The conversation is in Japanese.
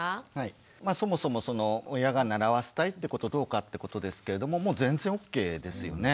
そもそも親が習わせたいってことどうかってことですけれどももう全然オッケーですよね。